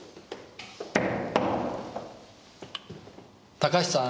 高橋さん！